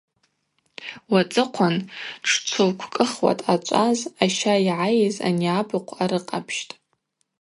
Уацӏыхъван тшчвылкӏвкӏвыхуа дъачӏваз аща йгӏайыз ани абыхъв арыкъапщтӏ.